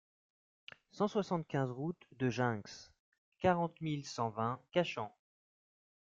cent soixante-quinze route de Ginx, quarante mille cent vingt Cachen